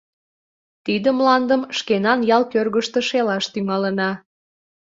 Тиде мландым шкенан ял кӧргыштӧ шелаш тӱҥалына.